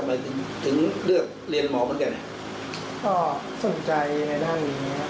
มันเหมือนของพี่ครับ